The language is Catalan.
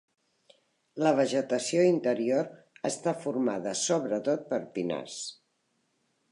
La vegetació interior està formada sobretot per pinars.